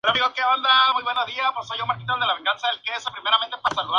Está considerado por algunos como primer especialista antártico.